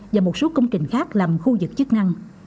và một số công trình khác làm khu vực chức năng